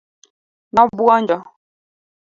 nobwonjo